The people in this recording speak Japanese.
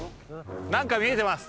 何か見えてます。